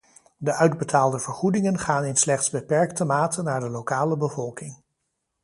De uitbetaalde vergoedingen gaan in slechts beperkte mate naar de lokale bevolking.